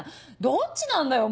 どっちなんだよ？